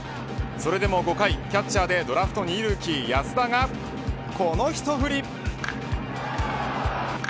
それでも５回、キャッチャーでドラフト２位ルーキー安田がこの一振り。